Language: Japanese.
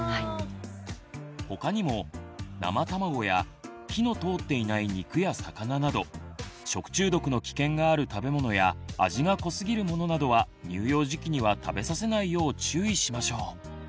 他にも生卵や火の通っていない肉や魚など食中毒の危険がある食べ物や味が濃すぎるものなどは乳幼児期には食べさせないよう注意しましょう。